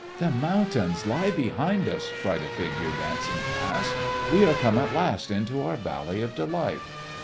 "The mountains lie behind us!" cried a figure dancing past. "We are come at last into our valley of delight.